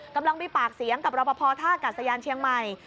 กำลังมีปากเสียงกับรอปภท่ากัดสยานเชียงใหม่